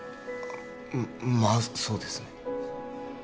まあそうですね